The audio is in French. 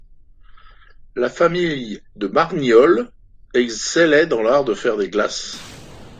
La famille de Barniolles excellait dans l'art de faire des glaces.